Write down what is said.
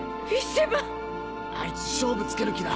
⁉あいつ勝負つける気だ！